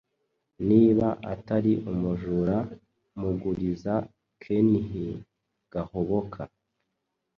Niba atari umujura muguriza kenhi gahoboka